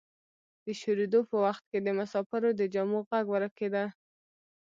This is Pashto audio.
د شورېدو په وخت کې د مسافرو د جامو غږ ورکیده.